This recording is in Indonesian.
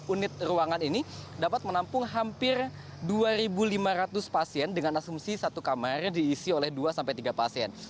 dua puluh unit ruangan ini dapat menampung hampir dua lima ratus pasien dengan asumsi satu kamar diisi oleh dua tiga pasien